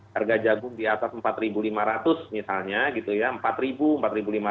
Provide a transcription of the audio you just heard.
harga jagung di atas rp empat lima ratus misalnya gitu ya rp empat rp empat lima ratus